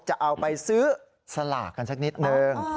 จะเอาไปซื้อสลากกันสักนิดนึง